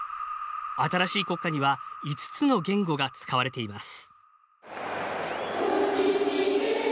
新しい国歌には５つの言語が使われています。